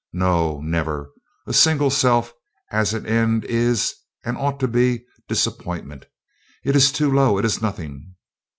No, never. A single self as an end is, and ought to be, disappointment; it is too low; it is nothing.